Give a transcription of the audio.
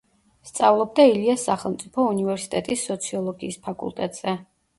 სწავლობდა ილიას სახელმწიფო უნივერსიტეტის სოციოლოგიის ფაკულტეტზე.